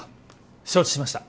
承知しました